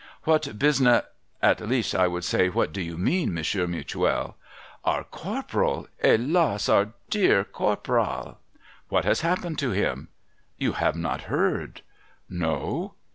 ' What busin — at least, I would say, what do you mean. Monsieur Mutuel ?'' Our Corporal. He'las, our dear Corporal !'' What has happened to him ?'' You have not heard ?'' No.'